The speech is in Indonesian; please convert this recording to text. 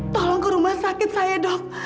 tolong ke rumah sakit saya dok